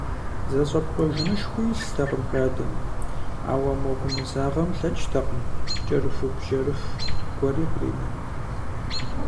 ЗэщӀэпкъуэжынышхуи илътэкъым хадэм, ауэ мо гумызагъэм лъэкӀтэкъым кӀэрыхубжьэрыху гуэри къринэн.